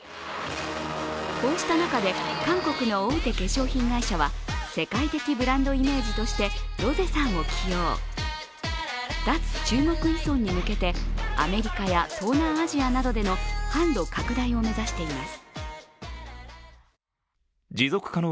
こうした中で韓国の大手化粧品会社は世界的ブランドイメージとしてロゼさんを起用、脱中国依存に向けてアメリカや東南アジアでの販路拡大を目指しています。